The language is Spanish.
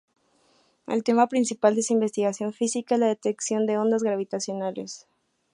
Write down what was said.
El tema principal de su investigación física es la detección de ondas gravitacionales.